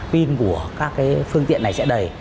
pin của các phương tiện này sẽ đầy